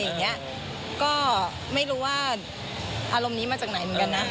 ก็ยังไม่เคยติดไปโรงเรียนใช่มั้ย